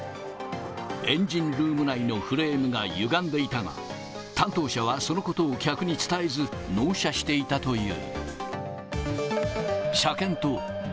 エンジンルーム内のフレームがゆがんでいたが、担当者はそのことを客に伝えず、納車していたという。